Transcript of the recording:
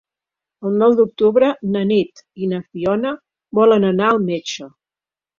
El nou d'octubre na Nit i na Fiona volen anar al metge.